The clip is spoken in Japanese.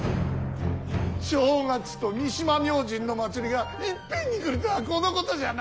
正月と三島明神の祭りがいっぺんに来るとはこのことじゃな。